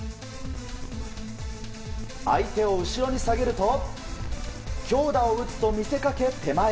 相手を後ろに下げると強打を打つと見せかけ、手前。